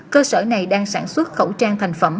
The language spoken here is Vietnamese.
cơ sở này đang sản xuất khẩu trang thành phẩm